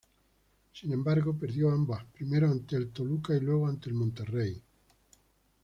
Sin embargo, perdió ambas, primero ante el Toluca y luego ante el Monterrey.